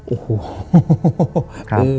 โอ้โห